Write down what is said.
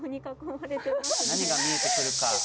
何が見えてくるか？